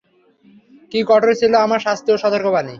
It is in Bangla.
কী কঠোর ছিল আমার শাস্তি ও সতর্কবাণী!